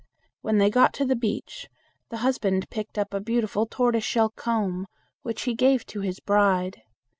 When they got to the beach, the husband picked up a beautiful tortoise shell comb, which he gave to his bride.